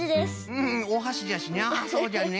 うんおはしじゃしなそうじゃね。